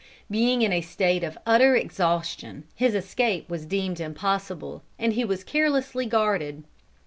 Being in a state of utter exhaustion his escape was deemed impossible, and he was carelessly guarded.